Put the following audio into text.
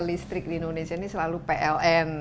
listrik di indonesia ini selalu pln